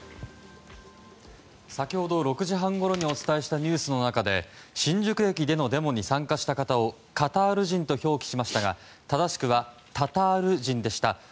先ほど６時半ごろにお伝えしたニュースの中で新宿駅でのデモに参加した方をカタール人と表記しましたが正しくはタタール人でした。